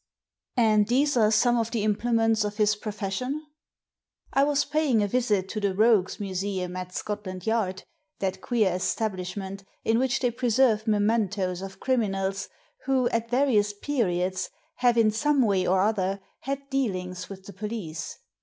"And these are some of the implements of his profession ?" I was paying a visit to the Rogues' Museum at Scotland Yard, that queer establishment in which they preserve mementoes of criminals who, at various periods, have, in some way or other, had dealings with the police.